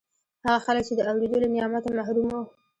هغه خلک چې د اورېدو له نعمته محروم وو